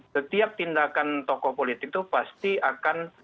setiap tindakan tokoh politik itu pasti akan